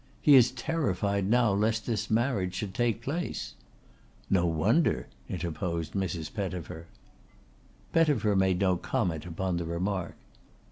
He is terrified now lest this marriage should take place." "No wonder," interposed Mrs. Pettifer. Pettifer made no comment upon the remark.